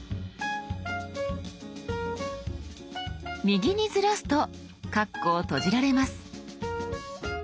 右にずらすとカッコを閉じられます。